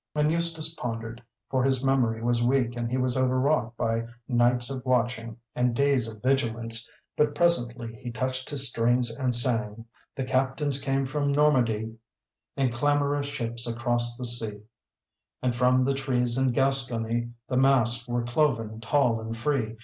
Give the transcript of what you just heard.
And Eustace pondered, for his memory was weak and he was overwrought by nights of watching and days of vigilance; but presently he touched his strings and sang: The captains came from Normandy In clamorous ships across the sea; And from the trees in Gascony The masts were cloven, tall and free.